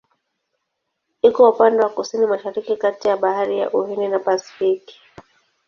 Iko upande wa Kusini-Mashariki kati ya Bahari ya Uhindi na Pasifiki.